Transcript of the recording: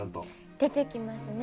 出てきますね。